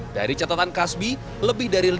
dari catatan kasbi